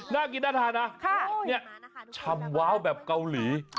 น่ากินน่าทานนะเนี่ยชำว้าวแบบเกาหลี